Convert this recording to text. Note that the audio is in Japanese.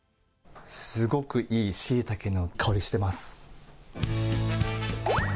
すごくいいしいたけの香りしてます。